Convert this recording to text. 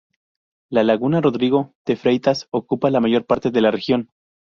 La laguna Rodrigo de Freitas ocupa la mayor parte de la región.